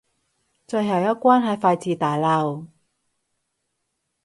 最後一關喺廢置大樓